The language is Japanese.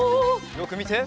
よくみて。